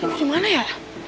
ibu dimana ya